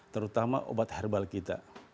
terutama obat herbal kita